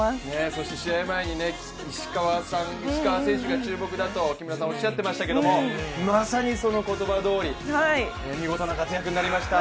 そして試合前に石川選手が注目だと木村さん、おっしゃっていましたけどもまさにその言葉どおり、見事な活躍になりました。